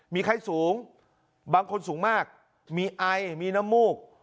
มีไข้สูงบางคนสูงมากมีไอมีน้ำมูก